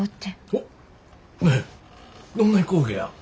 おっほんでどんな飛行機や？